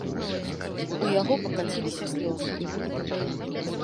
У яго пакаціліся слёзы.